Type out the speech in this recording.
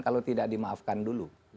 kalau tidak dimaafkan dulu